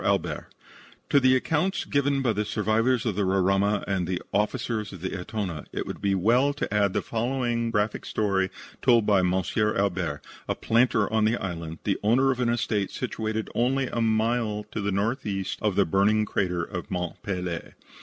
ALBERT To the accounts given by the survivors of the Roraima and the officers of the Etona, it will be well to add the following graphic story told by M. Albert, a planter of the island, the owner of an estate situated only a mile to the northeast of the burning crater of Mont Pelee.